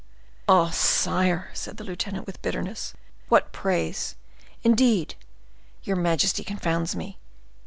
"Ah! sire," said the lieutenant, with bitterness, "what praise! Indeed, your majesty confounds me!